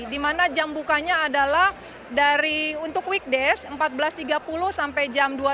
di mana jam bukanya adalah dari untuk weekdays empat belas tiga puluh sampai dua puluh satu tiga puluh